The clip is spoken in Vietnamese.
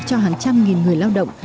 cho hàng trăm nghìn người lao động